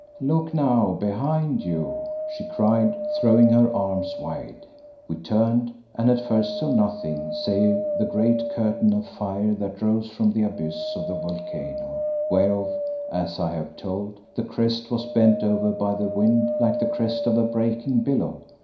"Look now behind you," she cried, throwing her arms wide. We turned, and at first saw nothing save the great curtain of fire that rose from the abyss of the volcano, whereof, as I have told, the crest was bent over by the wind like the crest of a breaking billow.